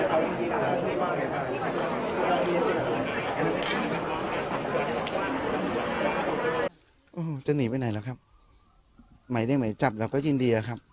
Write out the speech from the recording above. โอ้โหจะหนีไปไหนละครับใหม่เรียกใหม่จับเราก็ยินดีครับ